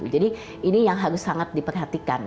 jadi ini yang harus sangat diperhatikan